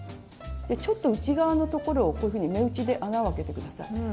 ちょっと内側のところをこういうふうに目打ちで穴をあけて下さい。